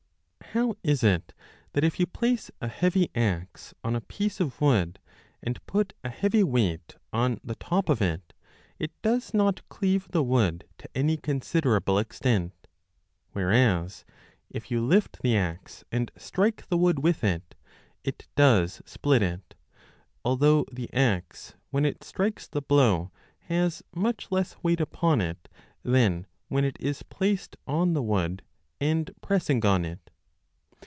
How is it that, if you place a heavy axe on a piece of 19 i 5 wood and put a heavy weight on the top of it, it does not cleave the wood to any considerable extent, whereas, if you lift the axe and strike the wood with it, it does split it, although the axe when it strikes the blow has much less weight upon it than when it is placed on the wood and pressing on it